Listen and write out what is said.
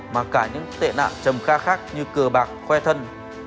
mà cả những tệ nạn trầm kha khác như cờ bạc khoe thân